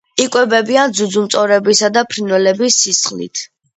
იკვებებიან ძუძუმწოვრებისა და ფრინველების სისხლით.